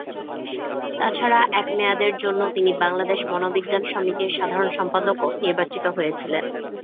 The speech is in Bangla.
তাছাড়া এক মেয়াদের জন্য তিনি বাংলাদেশ মনোবিজ্ঞান সমিতির সাধারণ সম্পাদকও নির্বাচিত হয়েছিলেন।